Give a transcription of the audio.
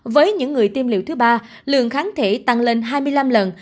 với những người tiêm liệu thứ ba lượng kháng thể tăng lên hai mươi năm lần